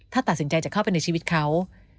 ถ้าตัดสินใจจะเข้าไปในชีวิตเขา